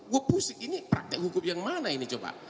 gue pusing ini praktek hukum yang mana ini coba